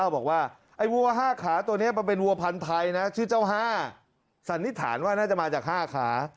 บอกว่าไอ้วัว๕ขาตัวนี้มันเป็นวัวพันธ์ไทยนะชื่อเจ้า๕สันนิษฐานว่าน่าจะมาจาก๕ขา